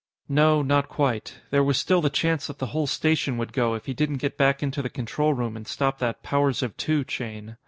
No, not quite. There was still the chance that the whole station would go if he didn't get back into the control room and stop that "powers of two" chain.